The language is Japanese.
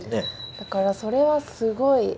だからそれはすごい。